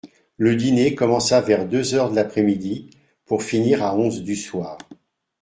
Le dîner commença vers deux heures de l'après-midi, pour finir à onze du soir.